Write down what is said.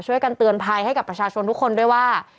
ช่วยกันเตือนภัยให้กับประชาชนทุกคนด้วยว่า